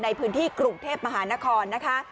ในพื้นที่กรุงเทพมหานครนะคะ